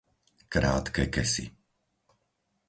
Krátke Kesy